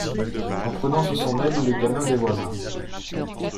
en prenant sous son aile le gamin des voisins